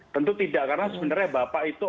tentu tidak karena sebenarnya bapak itu